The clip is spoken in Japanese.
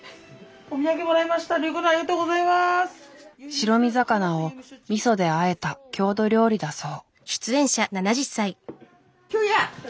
白身魚をみそであえた郷土料理だそう。